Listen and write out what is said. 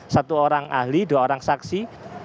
satu orang ahli dua orang saksi